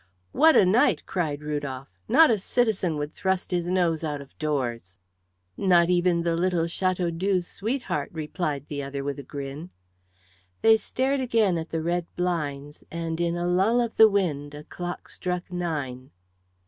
"What a night!" cried Rudolf. "Not a citizen would thrust his nose out of doors." "Not even the little Chateaudoux's sweetheart," replied the other, with a grin. They stared again at the red blinds, and in a lull of the wind a clock struck nine.